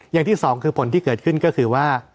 อย่างที่สองคือผลที่เกิดขึ้นก็คือว่า